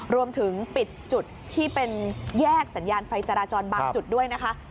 รวมถึงปิดจุดที่เป็นแยกสัญญาณไฟจราจรบางจุดด้วยนะคะ